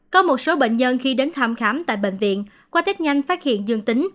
có một số bệnh nhân khi đến thăm khám tại bệnh viện qua tết nhanh phát hiện dương tính